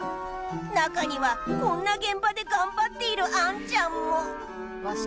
中にはこんな現場で頑張っているアンちゃんも。